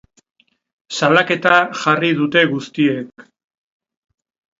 Salaketa jarri dute guztiek.